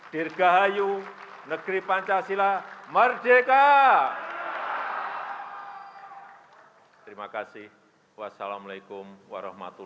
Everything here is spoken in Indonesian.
dirgahayu negeri pancasila merdeka